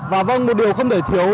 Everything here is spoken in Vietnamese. và vâng một điều không để thiếu